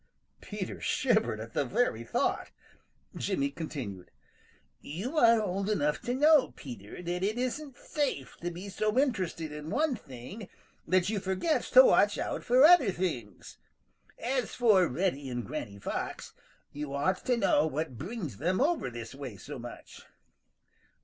Peter shivered at the very thought. Jimmy continued: "You are old enough to know, Peter, that it isn't safe to be so interested in one thing that you forget to watch out for other things. As for Reddy and Granny Fox, you ought to know what brings them over this way so much."